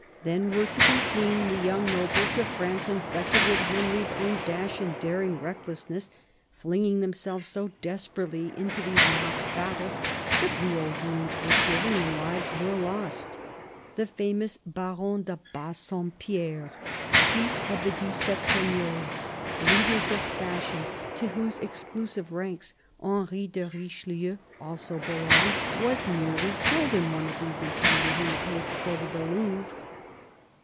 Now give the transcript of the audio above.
Then were to be seen THE BISHOP OF LUgON 31 the young nobles of France, infected with Henry's own dash and daring recklessness, flinging themselves so desperately into these mock battles that real wounds were given and lives were lost. The famous Baron de Bassompierre, chief of the " dix sept seigneurs," leaders of fashion, to whose exclusive ranks Henry de Richelieu also belonged, was nearly killed in one of these encounters in the paved court of the Louvre.